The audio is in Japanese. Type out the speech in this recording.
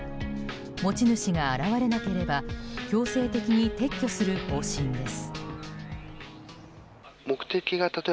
持ち主が現れなければ強制的に撤去する方針です。